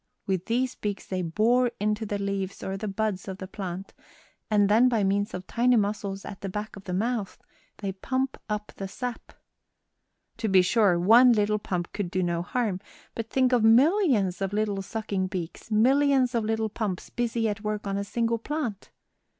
With these beaks they bore into the leaves or the buds of the plant, and then by means of tiny muscles at the back of the mouth they pump up the sap. To be sure, one little pump could do no harm; but think of millions of little sucking beaks, millions of little pumps busy at work on a single plant!